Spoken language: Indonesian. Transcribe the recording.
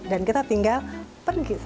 dan kita tinggal pergi saja